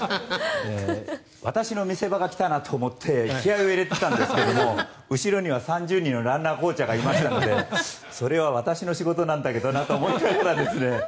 私の見せ場が来たなと思って気合を入れてたんですけども後ろには３０人のランナーコーチャーがいましたのでそれは私の仕事なんだけどなって思っちゃったんですが。